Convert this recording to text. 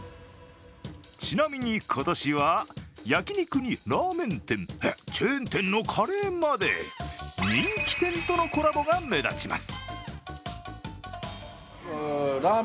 ちなみに、今年は焼き肉にラーメン店えっ、チェーン店のカレーまで人気店とのコラボが目立ちます。